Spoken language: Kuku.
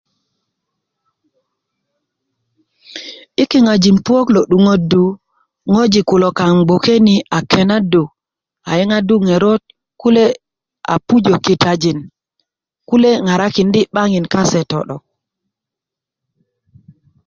yi kiŋajin puwök lo 'duŋöddu ŋojik kulo kaŋ yi gboke ni kenaddu a yeŋaddu ŋerot kule' a pujö kitajin kule' ŋarakindi' 'baŋin kase to 'dok